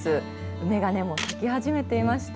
梅がもう咲き始めていました。